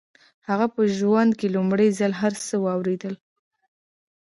هغه په ژوند کې لومړي ځل هر څه واورېدل.